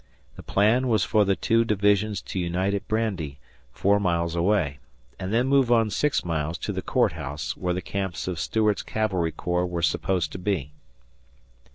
The plan was for the two divisions to unite at Brandy four miles away and then move on six miles to the Court House where the camps of Stuart's cavalry corps were supposed to be.